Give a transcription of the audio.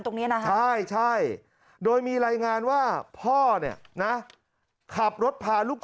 ตรงนี้นะฮะใช่ใช่โดยมีรายงานว่าพ่อเนี่ยนะขับรถพาลูก